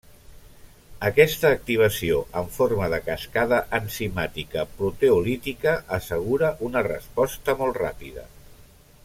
Aquesta activació en forma de cascada enzimàtica proteolítica assegura una resposta molt ràpida.